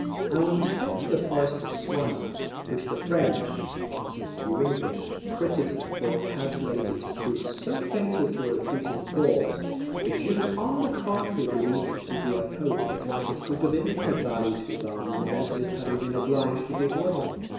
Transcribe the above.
And with respect to the Forest of Soignies, which the French (and some few English) critics have thought calculated to prove so fatal to a retreating force, the Duke on the contrary believed it to be a post that might have proved of infinite value to his army in the event of his having been obliged to give way.